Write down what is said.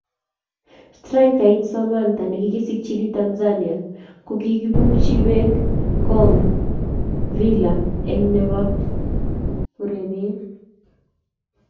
Straikait Samatta ne kikisikchin Tanzania ko kibukchi beekab kong Villa eng let nebo urerie.